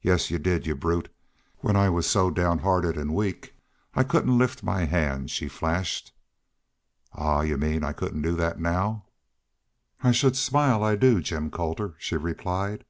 "Yes, y'u did y'u brute when I was so downhearted and weak I couldn't lift my hand," she flashed. "Ahuh! Y'u mean I couldn't do that now?" "I should smile I do, Jim Colter!" she replied.